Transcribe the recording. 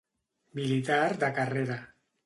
Militar de carrera.